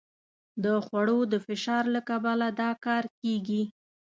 د خوړو د فشار له کبله دا کار کېږي.